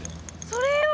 それよ！